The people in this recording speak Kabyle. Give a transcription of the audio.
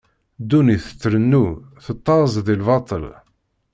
Ddunit trennu, tettaẓ di lbaṭel.